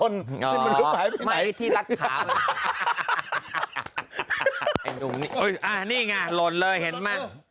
นี่ไงหล่นเลยเห็นไหม